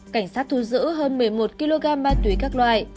cảnh sát thu giữ hơn một mươi một kg ma túy các loại